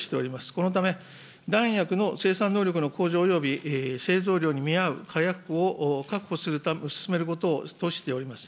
このため、弾薬の生産能力の向上および製造量に見合う火薬庫を確保を進めることとしております。